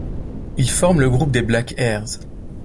Ils forment le groupe des Black Airs.